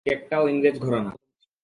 হ্যাঁ, কেকটাও ইংরেজ ঘরানার!